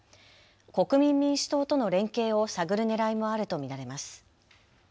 国民民主党との連携を探るねらいもあると見られます。